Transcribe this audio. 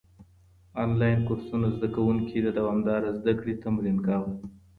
انلاين کورسونه زده کوونکي د دوامداره زده کړې تمرين کاوه.